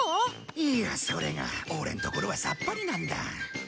いやあそれがオレんところはさっぱりなんだ。